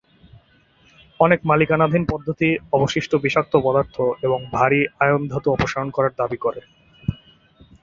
অনেক মালিকানাধীন পদ্ধতি অবশিষ্ট বিষাক্ত পদার্থ এবং ভারী আয়ন ধাতু অপসারণ করার দাবি করে।